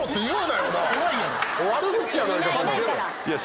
悪口やないか。